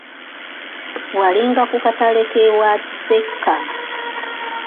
Wali nga ku katale k'ewa Kisekka.